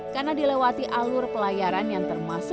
karena dilewati alur kondisi yang berbatasan langsung dengan malaysia